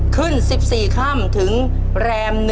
ขึ้น๑๔ค่ำถึงแรม๑